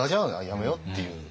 やめようっていう。